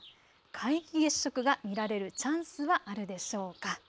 皆既月食が見られるチャンスはあるでしょうか。